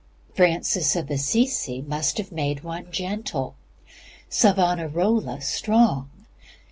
Francis Assisi must have made one gentle; Savonarola, strong.